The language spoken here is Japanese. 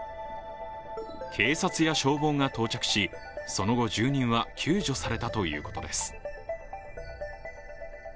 警察や消防が到着し、その後住人は救助されたということです。